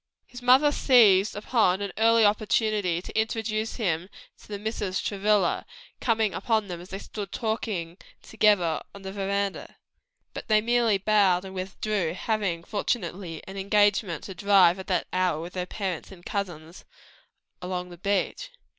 His mother seized an early opportunity to introduce him to the Misses Travilla, coming upon them as they stood talking together upon the veranda. But they merely bowed and withdrew, having, fortunately, an engagement to drive, at that hour, with their parents and cousins, along the beach.